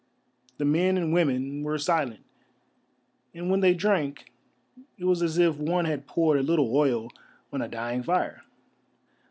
The men and women were silent, and when they drank, it was as if one had poured a little oil on a dying fire.